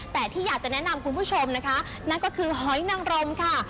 แต่ที่อยากจะแนะนำคุณผู้ชมนะคะนั่นก็คือหอยนังรมค่ะ